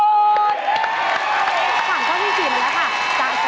๓ก้อนที่๑๐แล้วค่ะ